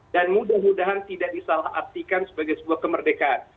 dan mudah mudahan tidak disalah artikan sebagai sebuah kemerdekaan